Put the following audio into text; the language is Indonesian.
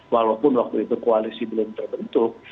walaupun waktu itu koalisi belum terbentuk